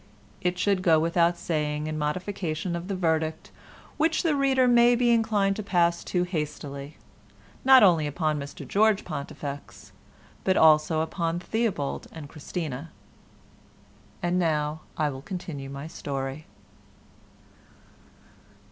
It should go without saying in modification of the verdict which the reader may be inclined to pass too hastily, not only upon Mr George Pontifex, but also upon Theobald and Christina. And now I will continue my story.